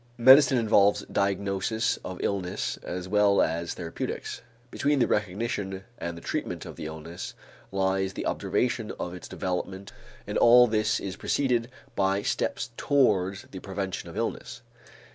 Medicine involves diagnosis of illness as well as therapeutics. Between the recognition and the treatment of the illness lies the observation of its development and all this is preceded by steps towards the prevention of illness.